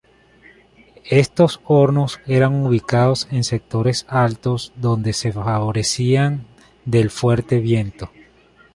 Estos hornos eran ubicados en sectores altos donde se favorecían del fuerte viento.